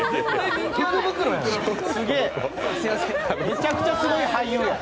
めちゃくちゃすごい俳優や。